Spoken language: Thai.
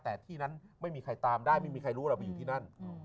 แต่ที่นั้นไม่มีใครตามได้ไม่มีใครรู้เราไปอยู่ที่นั่น